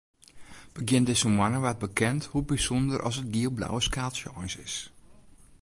Begjin dizze moanne waard bekend hoe bysûnder as it giel-blauwe skaaltsje eins is.